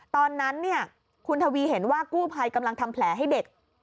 ตอนนั้นเนี่ยคุณทวีเห็นว่ากู้ภัยกำลังทำแผลให้เด็ก